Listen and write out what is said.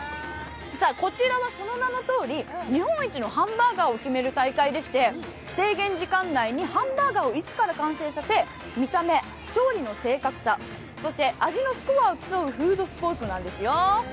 こちらは、その名のとおり、日本一のハンバーガーを決める大会でして制限時間内にハンバーガーを一から完成させ、見た目、調理の正確さ、そして味のスコアを競うフードスポーツなんですよ。